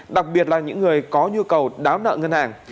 đặc biệt là những người có nhu cầu đáo nợ ngân hàng